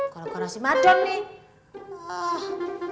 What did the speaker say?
kalau kena si madonn nih